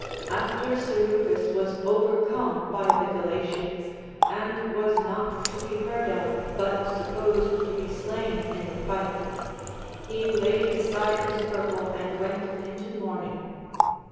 After Seleucus was overcome by the Galatians, and was not to be heard of, but supposed to be slain in the fight, he laid aside his purple and went into mourning.